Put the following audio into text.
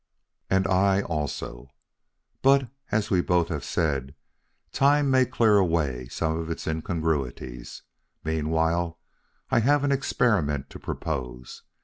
"And I also. But as we have both said, time may clear away some of its incongruities. Meanwhile I have an experiment to propose."